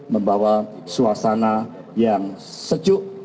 membawa suasana yang sejuk